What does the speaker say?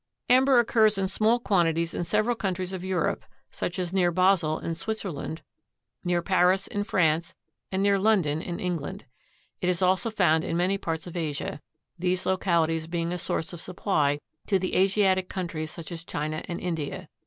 Amber occurs in small quantities in several countries of Europe, such as near Basel in Switzerland, near Paris in France, and near London in England. It is also found in many parts of Asia, these localities being a source of supply to the Asiatic countries such as China and India.